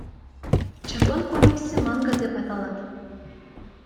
Жапон комикси манга деп аталат.